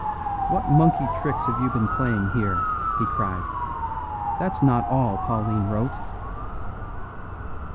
"What monkey tricks have you been playing here?" he cried. "That's not all Pauline wrote."